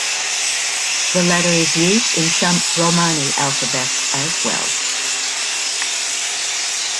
The letter is used in some Romani alphabets as well.